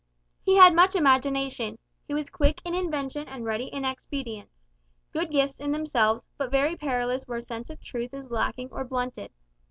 He had much imagination, he was quick in invention and ready in expedients; good gifts in themselves, but very perilous where the sense of truth is lacking, or blunted.